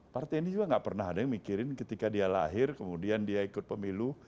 partai ini juga gak pernah ada yang mikirin ketika dia lahir kemudian dia ikut pemilu